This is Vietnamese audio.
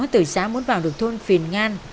từ xã muốn vào được thôn phìn ngan